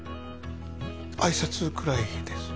挨拶くらいです